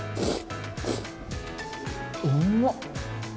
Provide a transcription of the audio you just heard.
うまっ！